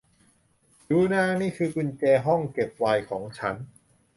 ดู นาง นี่คือกุญแจห้องเก็บไวน์ของฉัน